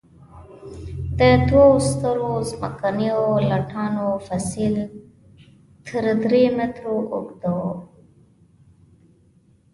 د دوو سترو ځمکنیو لټانو فسیل تر درې مترو اوږده وو.